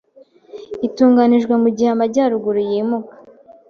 itunganijwe mugihe amajyaruguru yimuka